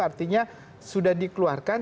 artinya sudah dikeluarkan